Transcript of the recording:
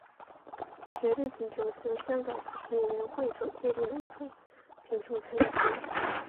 绝对贫穷是由香港扶贫委员会所界定的一种贫穷层级。